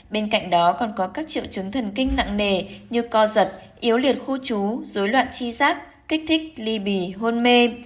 bên cạnh đó còn có các triệu chứng thần kinh nặng nề như co giật yếu liệt khu trú dối loạn chi giác kích thích ly bì hôn mê